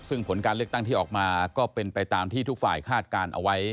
ซึ่งผลการเลือกตั้งที่ออกมาก็เป็นไปตามที่ทุกฝ่ายคาดการณ์เอาไว้